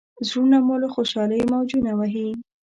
زړونه مو له خوشالۍ موجونه وهي.